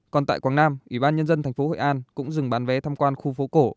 còn tại quảng nam ủy ban nhân dân thành phố hội an cũng dừng bán vé tham quan khu phố cổ